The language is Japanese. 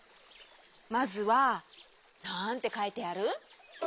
まずはなんてかいてある？